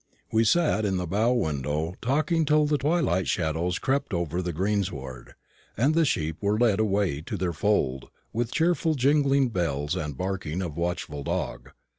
We sat in the bow window talking till the twilight shadows crept over the greensward, and the sheep were led away to their fold, with cheerful jingling of bells and barking of watchful dog.